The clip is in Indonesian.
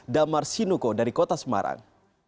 damar sinuko dari kota semarang